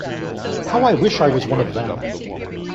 How I wish I was one of them!